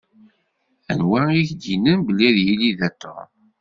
Anwa i ak-d-yennan belli ad yili da Tom?